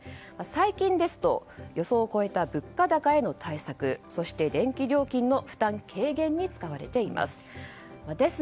最近ですと予想を超えた物価高への対策そして、電気料金の負担軽減に使われています。